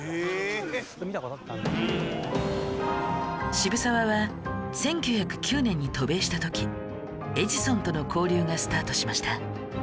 渋沢は１９０９年に渡米した時エジソンとの交流がスタートしました